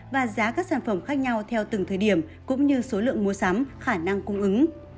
và giá các sản phẩm khác nhau theo từng thời điểm cũng như số lượng mua sắm khả năng cung ứng